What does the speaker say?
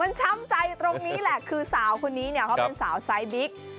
มันช้ำใจตรงนี้แหละคือสาวคนนี้เนี่ยเขาเป็นสาวไซส์บิ๊ก